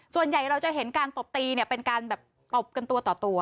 ส่วนใหญ่เราจะเห็นการตบตีเนี่ยเป็นการแบบตบกันตัวต่อตัว